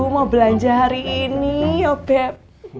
mau belanja hari ini oh beb